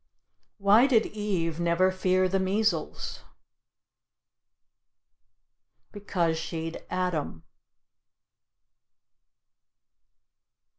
Why did Eve never fear the measles? Because she'd Adam.